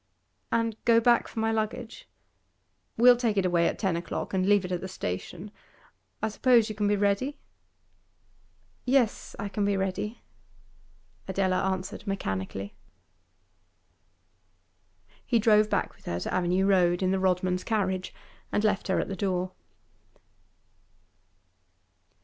'And go back for my luggage?' 'We'll take it away at ten o'clock and leave it at the station. I suppose you can be ready?' 'Yes, I can be ready,' Adela answered mechanically. He drove back with her to Avenue Road in the Rodmans' carriage, and left her at the door.